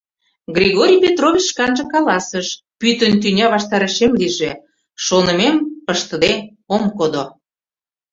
Григорий Петрович шканже каласыш: «пӱтынь тӱня ваштарешем лийже — шонымем ыштыде ом код!»